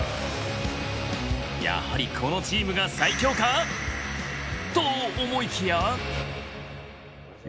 やはりこのチームが最強か！？と思いきや。